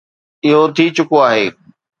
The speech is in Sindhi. اهو ٿي چڪو آهي.